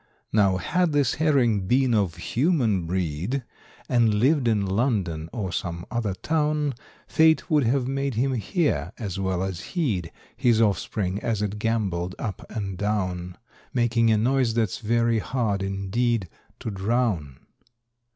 = Now, had this Herring been of human breed, And lived in London or some other town, Fate would have made him hear as well as heed His offspring as it gambolled up and down, [Illustration: 037] Making a noise that's very hard indeed To drown.